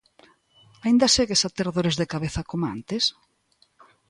¿Aínda segues a ter dores de cabeza coma antes?